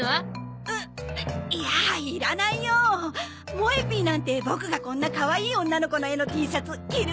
もえＰなんてボクがこんなかわいい女の子の絵のＴシャツ着る